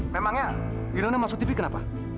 memangnya di luar masuk tv kenapa